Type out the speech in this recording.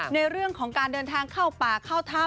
ในเรื่องของการเดินทางเข้าป่าเข้าถ้ำ